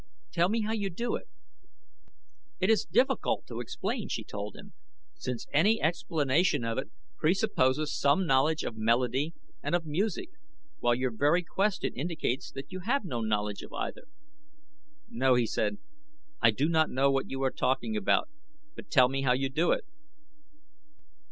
"Tell me how you do it." "It is difficult to explain," she told him, "since any explanation of it presupposes some knowledge of melody and of music, while your very question indicates that you have no knowledge of either." "No," he said, "I do not know what you are talking about; but tell me how you do it."